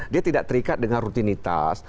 dia tidak terikat dengan rutinitas